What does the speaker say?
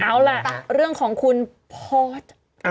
เอาล่ะเรื่องของคุณพอร์ต